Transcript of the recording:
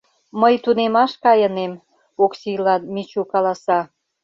— Мый тунемаш кайынем, — Оксийлан Мичу каласа.